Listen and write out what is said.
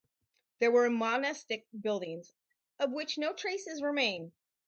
There were monastic buildings of which no traces remain.